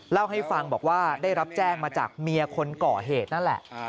เล่าให้ฟังบอกว่าได้รับแจ้งมาจากเมียคนก่อเหตุนั่นแหละ